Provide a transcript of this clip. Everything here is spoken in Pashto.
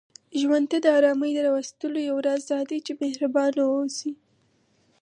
ژوند ته د آرامۍ د راوستلو یو راز دا دی، چې محربانه اوسئ